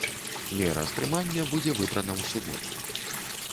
Мера стрымання будзе выбрана ў суботу.